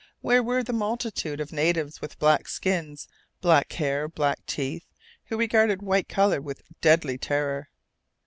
Where were the multitude of natives, with black skins, black hair, black teeth, who regarded white colour with deadly terror?